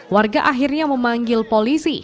warga akhirnya memanggil polisi